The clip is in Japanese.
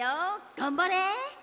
がんばれ！